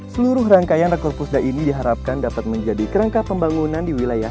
seluruh rangkaian rekor pusda ini diharapkan dapat menjadi kerangka pembangunan di wilayah